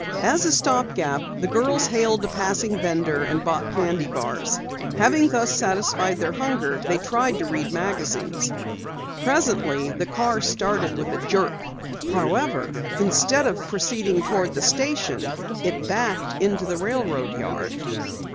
As a stop gap the girls hailed a passing vendor and bought candy bars. Having thus satisfied their hunger, they tried to read magazines. Presently the car started with a jerk. However, instead of proceeding toward the station it backed into the railroad yard.